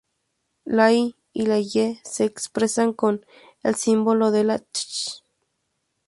La "y" la "ll" se expresan con el símbolo de la "th".